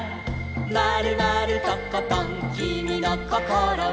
「まるまるとことんきみのこころは」